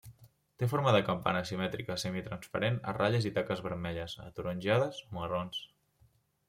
Té forma de campana simètrica semitransparent a ratlles i taques vermelles, ataronjades o marrons.